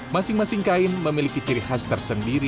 masing masing kain memiliki ciri khas tersendiri